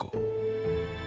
itu baru anakku